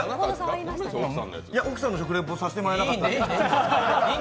いや、奥さんの食リポさせてもらえなかったんで。